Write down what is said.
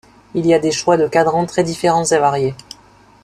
Il y a des choix de cadrans très différents et variés.